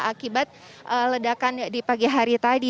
akibat ledakan di pagi hari tadi